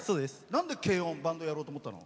なんで軽音、バンドやろうと思ったの？